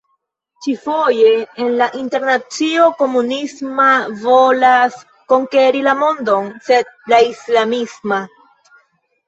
Ĉi-foje ne la internacio komunisma volas konkeri la mondon, sed la islamisma.